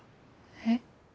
えっ？